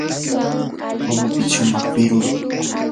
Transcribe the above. rumipita shumaq piruru.